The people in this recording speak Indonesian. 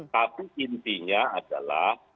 tapi intinya adalah